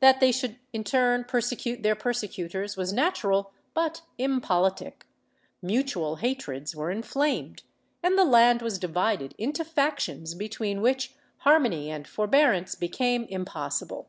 That they should in turn persecute their persecutors was natural but impolitic; mutual hatreds were inflamed, and the land was divided into factions between which harmony and forbearance became impos sible.